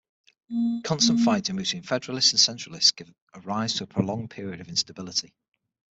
Constant fighting between federalists and centralists gave rise to a prolonged period of instability.